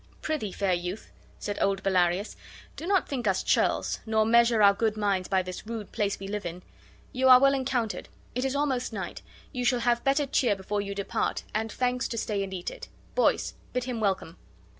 "Prithee, fair youth," said old Bellarius, "do not think us churls, nor measure our good minds by this rude place we live in. 'You are well encountered; it is almost night. You shall have better cheer before you depart, and thanks to stay and eat it. Boys, bid him welcome."